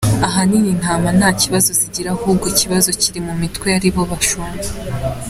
Ahanini intama nta kibazo zigira ahubwo ikibazo kiri mu mitwe ari bo bashumba.